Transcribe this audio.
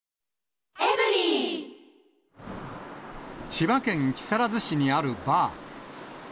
千葉県木更津市にあるバー。